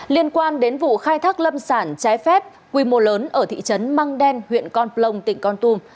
liên quan đến vụ khai thác lâm sản trái phép quy mô lớn ở thị trấn măng đen huyện con plong tỉnh con tum